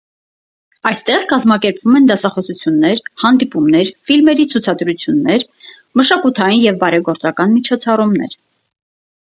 Այստեղ կազմակերպվում են դասախոսություններ, հանդիպումներ, ֆիլմերի ցուցադրումներ, մշակութային և բարեգործական միջոցառումներ։